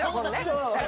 そう。